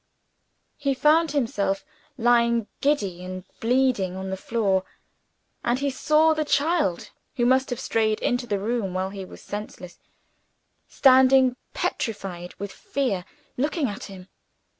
He found himself lying, giddy and bleeding, on the floor; and he saw the child (who must have strayed into the room while he was senseless) standing petrified with fear, looking at him.